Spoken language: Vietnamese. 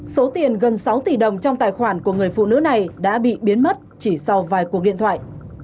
số tiền gần sáu tỷ đồng trong tài khoản của người phụ nữ này đã bị biến mất chỉ sau vài cuộc điện thoại